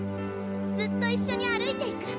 ずっと一緒に歩いていく。